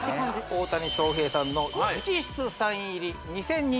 大谷翔平さんの直筆サイン入り２０２１